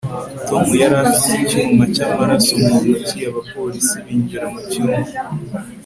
tom yari afite icyuma cyamaraso mu ntoki abapolisi binjira mu cyumba